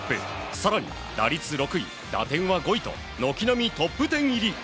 更に打率６位、打点は５位と軒並みトップ１０入り！